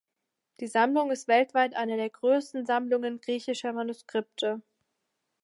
Die Sammlung ist weltweit eine der größten Sammlungen griechischer Manuskripte.